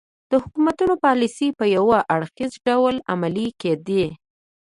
د حکومت پالیسۍ په یو اړخیز ډول عملي کېدې.